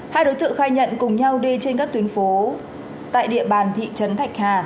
hai đối tượng khai nhận cùng nhau đi trên các tuyến phố tại địa bàn thị trấn thạch hà